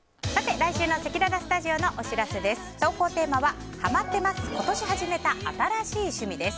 来週のせきららスタジオのお知らせです。